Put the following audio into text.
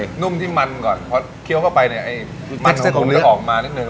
นุ่มที่มันก่อนพอเคี้ยวเข้าไปเนี่ยไอ้มันของเนื้อออกมานิดนึง